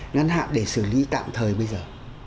ngắn hạn để xử lý tạm thời bây giờ